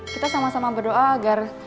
kita sama sama berdoa agar